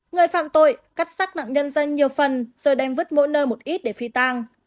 người phạm tội cắt sắc nạn nhân ra nhiều phần rồi đem vứt mỗi nơi một ít để phi tăng